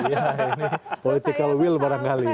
ya ini political will barangkali